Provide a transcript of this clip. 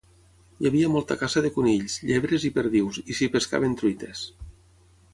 Hi havia molta caça de conills, llebres i perdius i s'hi pescaven truites.